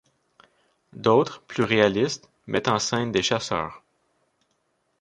D'autres, plus réalistes, mettent en scène des chasseurs.